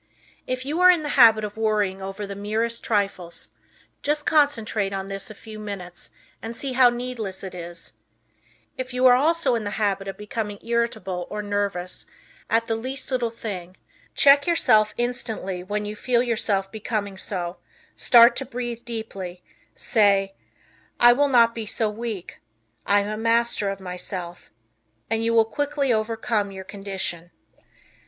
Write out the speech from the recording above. If you are in the habit of worrying over the merest trifles, just concentrate on this a few minutes and see bow needless it is; if you are also in the habit of becoming irritable or nervous at the least little thing, check yourself instantly when you feel yourself becoming so; start to breathe deeply; say, "I will not be so weak; I am master of myself," and you will quickly overcome your condition.